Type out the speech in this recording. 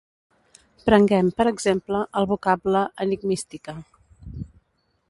Prenguem, per exemple, el vocable "enigmística".